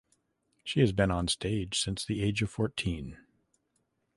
She has been on stage since the age of fourteen.